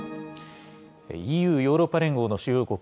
ＥＵ・ヨーロッパ連合の主要国